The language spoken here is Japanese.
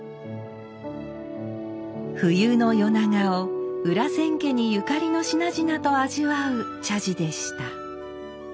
冬の夜長を裏千家にゆかりの品々と味わう茶事でした。